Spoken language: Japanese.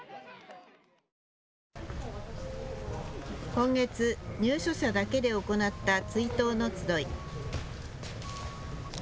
今月、入所者だけで行った追悼の集い。